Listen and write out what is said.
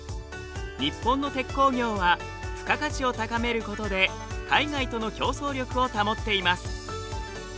日本の鉄鋼業は付加価値を高めることで海外との競争力を保っています。